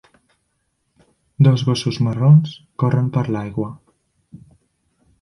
Dos gossos marrons corren per l'aigua.